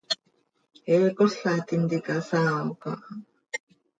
He cola tintica saao caha.